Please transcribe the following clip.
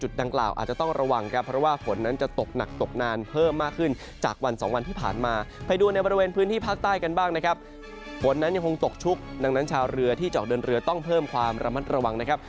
ดังนั้นยังคงตกชุกดังนั้นชาวเรือที่จะออกเดินเรือต้องเพิ่มความระมัดระวังนะครับ